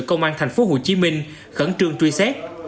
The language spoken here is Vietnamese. công an tp hcm khẩn trương truy xét